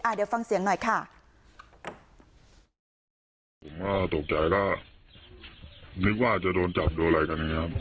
อ่าเดี๋ยวฟังเสียงหน่อยค่ะ